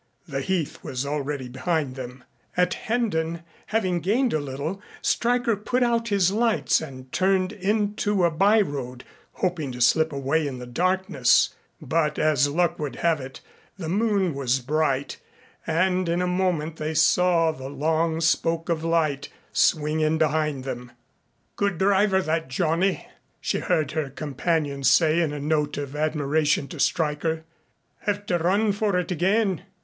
The heath was already behind them. At Hendon, having gained a little, Stryker put out his lights and turned into a by road hoping to slip away in the darkness, but as luck would have it the moon was bright and in a moment they saw the long spoke of light swing in behind them. "Good driver, that Johnny," she heard her companion say in a note of admiration to Stryker. "Have to run for it again."